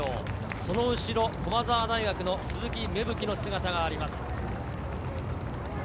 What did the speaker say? その後、駒澤大学の鈴木芽吹の姿があります。